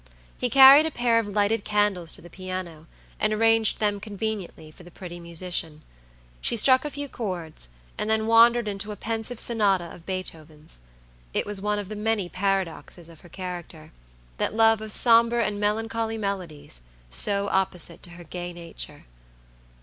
He carried a pair of lighted candles to the piano, and arranged them conveniently for the pretty musician. She struck a few chords, and then wandered into a pensive sonata of Beethoven's. It was one of the many paradoxes in her character, that love of somber and melancholy melodies, so opposite to her gay nature.